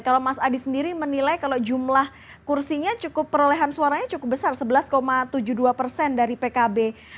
kalau mas adi sendiri menilai kalau jumlah kursinya cukup perolehan suaranya cukup besar sebelas tujuh puluh dua persen dari pkb